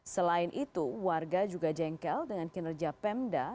selain itu warga juga jengkel dengan kinerja pemda